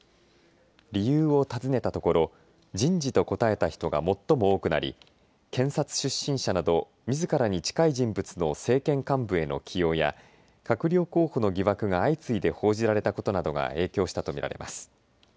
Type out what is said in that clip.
理由を尋ねたところ人事と答えた人が最も多くなり検察出身者などみずからに近い人物の政権幹部への起用や閣僚候補の疑惑が相次いで報じられたことなどが影響したと見られます。